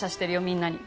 みんなに。